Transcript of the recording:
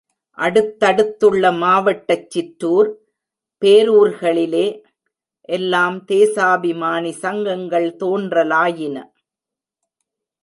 அடுத்தடுத்துள்ள மாவட்டச் சிற்றுர், பேரூர்களிலே எல்லாம் தேசாபிமானி சங்கங்கள் தோன்றலாயின.